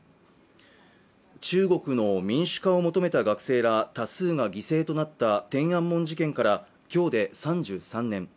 中国の民主化を求めた学生ら多数が犠牲となった天安門事件から今日で３３年